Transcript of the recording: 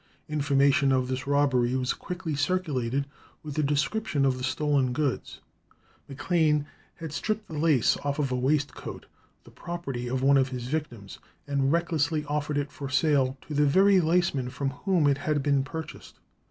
Information of this robbery was quickly circulated, with a description of the stolen goods. Maclane had stripped the lace off a waistcoat, the property of one of his victims, and recklessly offered it for sale to the very laceman from whom it had been purchased.